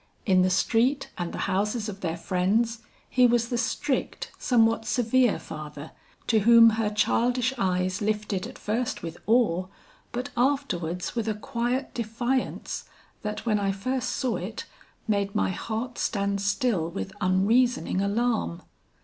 In the street and the houses of their friends, he was the strict, somewhat severe father, to whom her childish eyes lifted at first with awe, but afterwards with a quiet defiance, that when I first saw it, made my heart stand still with unreasoning alarm.